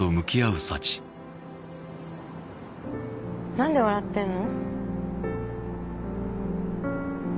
なんで笑ってんの？